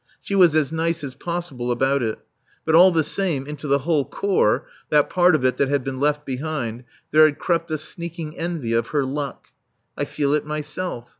She was as nice as possible about it. But all the same, into the whole Corps (that part of it that had been left behind) there has crept a sneaking envy of her luck. I feel it myself.